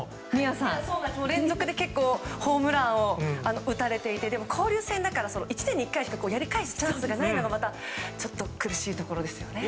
結構、連続でホームランを打たれていてでも交流戦だから１年に１回しかやり返すチャンスがないのが苦しいところですよね。